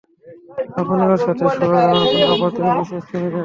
আপনি ওর সাথে শোয়ায় আমার কোনো আপত্তি নেই, মিসেস ক্রিমেন্টজ।